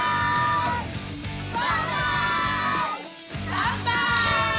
乾杯！